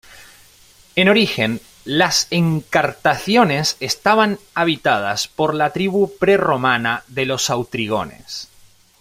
En origen, las Encartaciones estaban habitadas por la tribu prerromana de los autrigones.